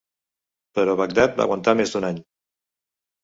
Però Bagdad va aguantar més d'un any.